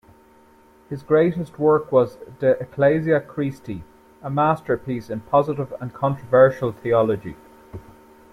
His greatest work was "De Ecclesia Christi", a masterpiece in positive and controversial theology.